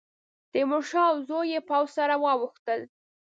تیمورشاه او زوی یې پوځ سره واوښتل.